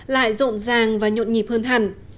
lại rộn ràng và nhộn nhịp hơn hẳn